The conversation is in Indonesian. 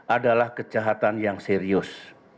adalah kejahatan yang serius